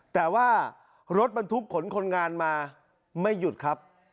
แต่ว่ารถบรรทุกขนคนงานมาไม่หยุดครับ